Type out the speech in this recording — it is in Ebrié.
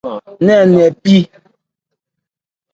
Ní ń ni npi.